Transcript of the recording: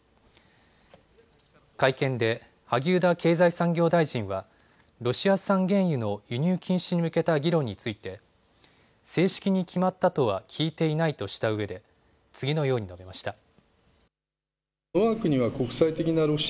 会見で萩生田経済産業大臣はロシア産原油の輸入禁止に向けた議論について正式に決まったとは聞いていないとしたうえで次のように述べました。